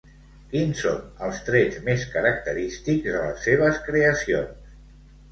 Quins són els trets més característics de les seves creacions?